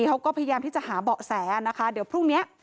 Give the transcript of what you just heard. เขาก็พยายามที่จะหาเบาะแสนะคะเดี๋ยวพรุ่งนี้